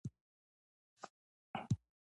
تکنالوژي راوړو.